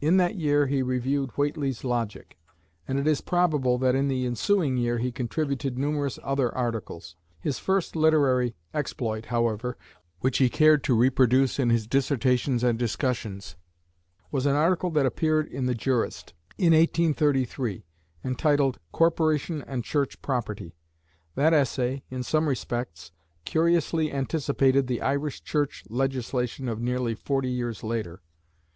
In that year he reviewed Whately's Logic; and it is probable that in the ensuing year he contributed numerous other articles. His first literary exploit, however, which he cared to reproduce in his "Dissertations and Discussions" was an article that appeared in "The Jurist," in 1833, entitled "Corporation and Church Property." That essay, in some respects, curiously anticipated the Irish Church legislation of nearly forty years later.